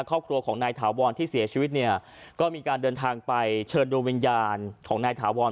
ครอบครัวของนายถาวรที่เสียชีวิตเนี่ยก็มีการเดินทางไปเชิญดูวิญญาณของนายถาวร